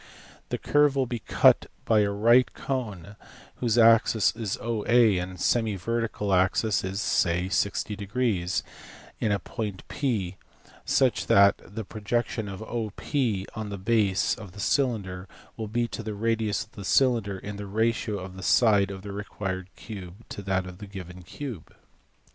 This curve will be cut by a right cone whose axis is OA and semi vertical angle is (say) 60 in a point ^such that the projection of OP on the base of the cylinder will be to the radius of the cylinder in the ratio of the side of the required cube to that of the given cube.